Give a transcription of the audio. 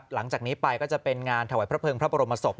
หลังจากนี้ไปก็จะเป็นงานถวายพระเภิงพระบรมศพ